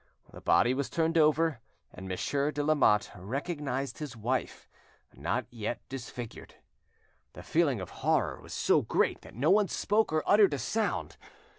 The body was turned over, and Monsieur de Lamotte recognised his wife, not yet disfigured. The feeling of horror was so great that no one spoke or uttered a sound.